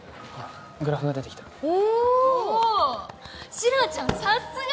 シラちゃんさっすが！